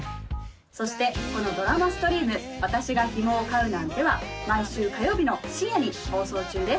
そしてこのドラマストリーム「私がヒモを飼うなんて」は毎週火曜日の深夜に放送中です